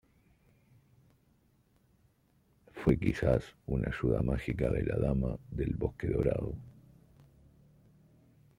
Fue quizá una ayuda mágica de la Dama del Bosque Dorado.